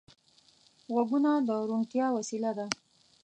غوږونه د روڼتیا وسیله ده